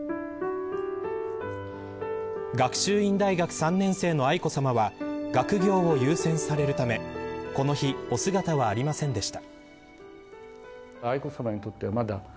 学習院大学３年生の愛子さまは学業を優先されるためこの日、お姿はありませんでした。